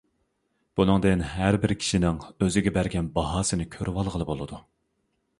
بۇنىڭدىن ھەربىر كىشىنىڭ ئۆزىگە بەرگەن باھاسىنى كۆرۈۋالغىلى بولىدۇ.